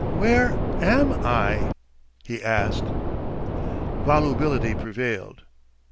"Where AM I?" he asked. Volubility prevailed.